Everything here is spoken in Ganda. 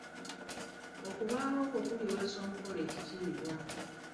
Okubaawo kwo kuliweesa omukolo ekitiibwa.